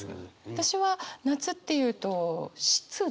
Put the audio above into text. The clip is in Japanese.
私は夏っていうと湿度。